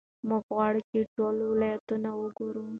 موږ غواړو چې ټول ولایتونه وګورو.